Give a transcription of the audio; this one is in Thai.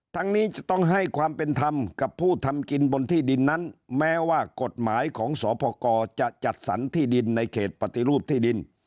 ทั้งนี้จะต้องให้ความเป็นธรรมกับผู้ทำกินบนที่ดินนั้นแม้ว่ากฎหมายของสพกจะจัดสรรที่ดินในเขตปฏิรูปที่ดิน